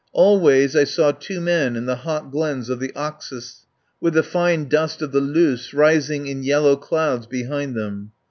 Al ways I saw two men in the hot glens of the Oxus, with the fine dust of the loess rising in yellow clouds behind them.